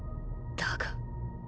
だが。